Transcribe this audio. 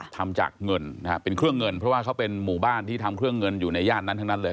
ทำจากเงินนะฮะเป็นเครื่องเงินเพราะว่าเขาเป็นหมู่บ้านที่ทำเครื่องเงินอยู่ในย่านนั้นทั้งนั้นเลย